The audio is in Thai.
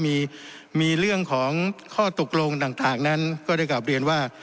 มีเรื่องของข้อตกลงต่างนั้นก็ได้กลับเรียนว่า